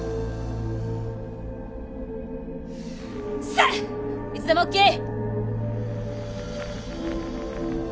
さあいつでもオッケー！